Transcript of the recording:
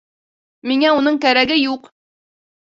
Миңә уның кәрәге юҡ!